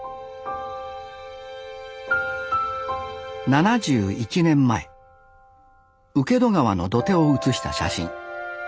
７１年前請戸川の土手を写した写真。